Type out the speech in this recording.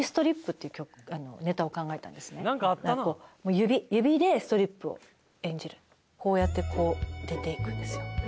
指指でストリップを演じるこうやってこう出ていくんですよ